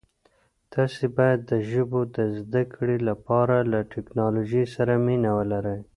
تاسي باید د ژبو د زده کړې لپاره له ټکنالوژۍ سره مینه ولرئ.